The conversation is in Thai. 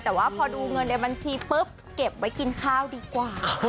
แต่ว่าพอดูเงินในบัญชีปุ๊บเก็บไว้กินข้าวดีกว่า